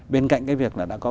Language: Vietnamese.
bên cạnh cái việc là đã có